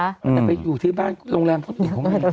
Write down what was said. แต่ไปอยู่ที่บ้านโรงแรมคนอื่นคนอื่น